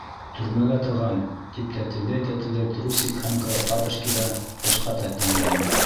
Төрмәгә тығам! — тип тәтелдәй-тәтелдәй трусик һәм тапочкиҙа тышҡа туйтаңланы.